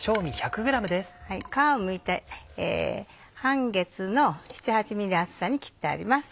皮をむいて半月の７８ｍｍ厚さに切ってあります。